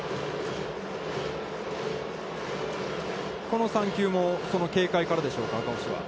この３球もこの警戒からでしょうか、赤星は。